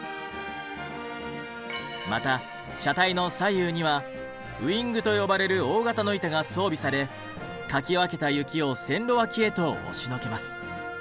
また車体の左右にはウィングと呼ばれる大型の板が装備されかき分けた雪を線路脇へと押しのけます。